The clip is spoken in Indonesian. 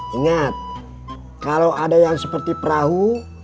ingat kalau ada yang seperti perahu